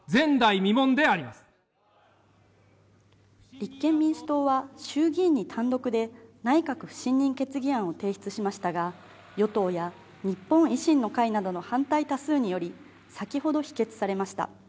立憲民主党は衆議院に単独で内閣不信任決議案を提出しましたが与党や日本維新の会などの反対多数により、先ほど否決されました。